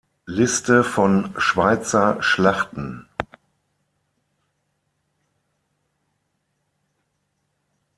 Liste von Schweizer Schlachten